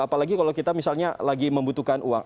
apalagi kalau kita misalnya lagi membutuhkan uang